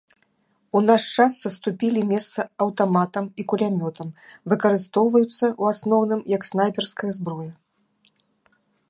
У наш час саступілі месца аўтаматам і кулямётам, выкарыстоўваюцца ў асноўным як снайперская зброя.